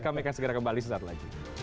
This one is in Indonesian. kami akan segera kembali suatu saat lagi